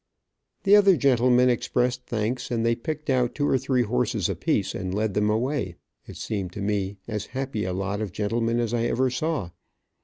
The other gentlemen expressed thanks, and they picked out two or three horses apiece and led them away, it seemed to me as happy a lot of gentlemen as I ever saw.